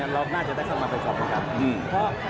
เราน่าจะได้เข้ามาไปกดกระแส